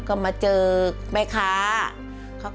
ร้องได้ให้ร้าง